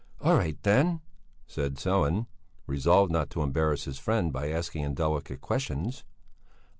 "All right then," said Sellén, resolved not to embarrass his friend by asking indelicate questions.